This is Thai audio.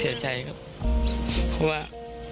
เพราะว่า